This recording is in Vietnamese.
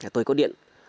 tôi có điện